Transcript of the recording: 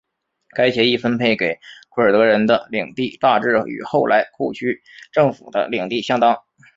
该协议分配给库尔德人的领地大致与后来库区政府的领地相当。